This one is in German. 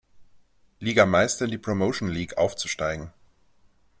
Liga Meister in die Promotion League aufzusteigen.